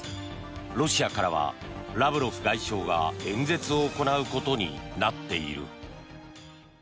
ロシアからはラブロフ外相が演説を行うことになっている。